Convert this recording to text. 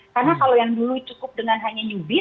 karena kalau yang dulu cukup dengan hanya nyubit